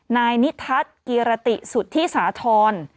นายนิทัศน์กิรติสุธิสาธร